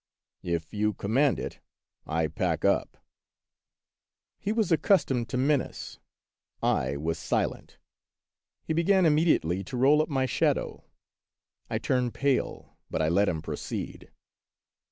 " If you command it, I pack up." He was accustomed to menace. I was silent. He began immediately to roll up my shadow. of Peter SchlemihL 91 I turned pale, but I let him proceed.